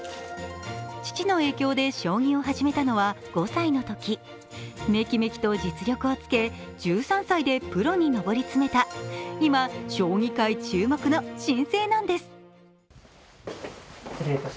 父の影響で将棋を始めたのは５歳のときメキメキと実力をつけて１３歳でプロに上り詰めた今、将棋界注目の新星なんです。